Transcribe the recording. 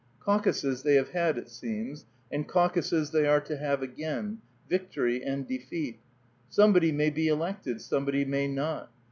Caucuses they have had, it seems, and caucuses they are to have again, victory and defeat. Somebody may be elected, somebody may not.